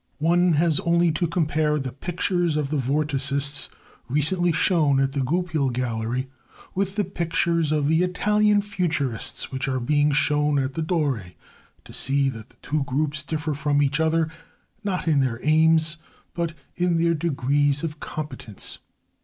One has only to compare the pictures of the Vorticists recently shown at the Goupil Gallery with the pictures of the Italian Futurists which are being shown at the Doré to see that the two groups differ from each other not in their aims, but in their degrees of competence.